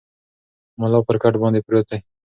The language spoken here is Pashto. ملا پر کټ باندې پروت دی.